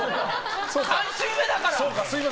３週目だから！